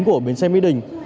của bến xe mỹ đình